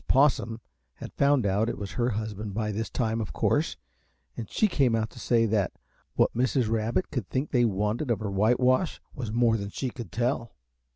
Possum had found out it was her husband by this time, of course, and she came out to say that what Mrs. Rabbit could think they wanted of her whitewash was more than she could tell.